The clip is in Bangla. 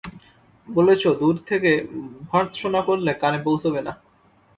বলেছ–দূর থেকে ভর্ৎসনা করলে কানে পৌঁছোবে না।